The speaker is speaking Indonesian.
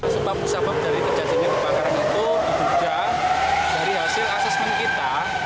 sebab sebab dari kejadiannya kebakaran itu diduga dari hasil asesmen kita